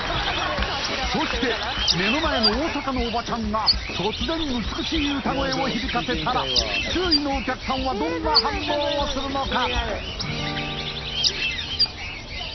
そして目の前の大阪のおばちゃんが突然美しい歌声を響かせたら周囲のお客さんはどんな反応をするのか？